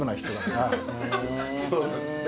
そうなんですね。